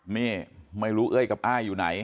นี่ไม่รู้เอ้ยกับอ้ายอยู่ไหน